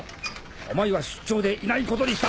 お前は出張でいないことにした。